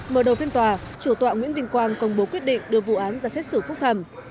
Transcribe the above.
mở đầu phiên tòa chủ tọa nguyễn vinh quang công bố quyết định đưa vụ án ra xét xử phúc thẩm